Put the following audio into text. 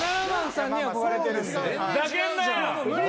ざけんなよ！